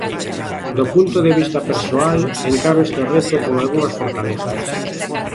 Do punto de vista persoal, encaro este reto con algunhas fortalezas.